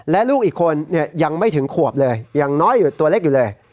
และลูกอีกคนยังไม่ถึงขวบเลยยังน้อยอยู่ตัวเล็กอยู่เลย